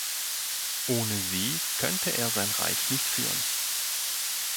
Ohne sie könnte er sein Reich nicht führen.